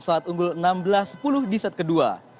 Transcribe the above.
saat unggul enam belas sepuluh di set kedua